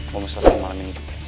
gue mau selesain malam ini juga